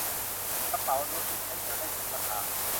กระเป๋าโน๊ตบุ๊กใช้งานได้สมราคา